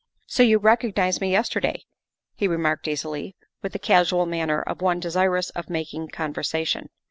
" So you recognized me yesterday?" he remarked easily, with the casual manner of one desirous of making conversation.